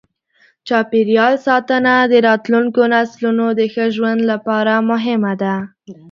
چاپېریال ساتنه د راتلونکو نسلونو د ښه ژوند لپاره مهمه ده.